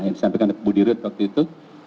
yang disampaikan oleh bu dirut waktu itu